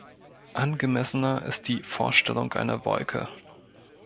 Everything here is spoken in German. Angemessener ist die Vorstellung einer Wolke.